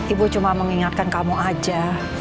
ibu cuma mengingatkan kamu aja